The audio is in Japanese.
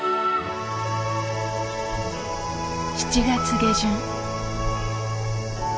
７月下旬。